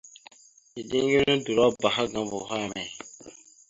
Dideŋ geme odolabáaha gaŋa boho emey ?